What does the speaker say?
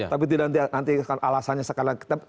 tapi tidak nanti alasannya sekarang